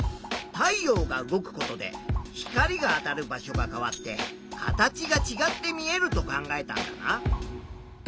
太陽が動くことで光があたる場所が変わって形がちがって見えると考えたんだな。